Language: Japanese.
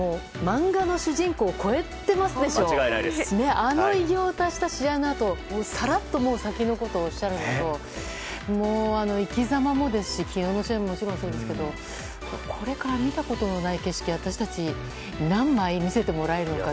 あの偉業を達成した試合のあとさらっと先のことをおっしゃるのと生きざまもですし昨日の試合もそうですけどこれから見たことのない景色私たち何枚見せてもらえるのか